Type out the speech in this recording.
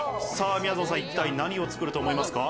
みやぞんさん、一体何を作ると思いますか？